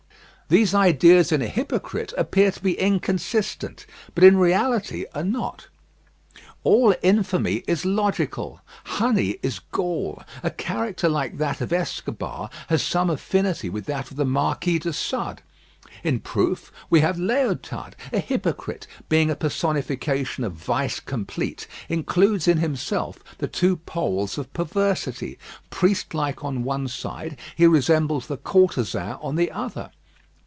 These ideas in a hypocrite appear to be inconsistent, but in reality are not. All infamy is logical. Honey is gall. A character like that of Escobar has some affinity with that of the Marquis de Sade. In proof, we have Léotade. A hypocrite, being a personification of vice complete, includes in himself the two poles of perversity. Priest like on one side, he resembles the courtesan on the other.